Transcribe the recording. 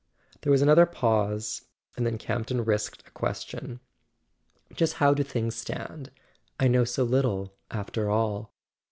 There was another pause, and then Campton risked a question. "Just how do things stand? I know so little, after all."